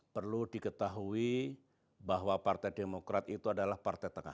perlu diketahui bahwa partai demokrat itu adalah partai tengah